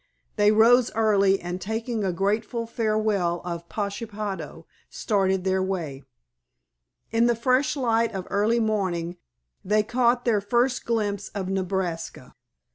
They rose early, and taking a grateful farewell of Pashepaho started on their way. In the fresh light of early morning, they caught their first glimpse of Nebraska.